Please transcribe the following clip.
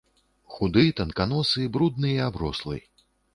Худы, танканосы, брудны і аброслы.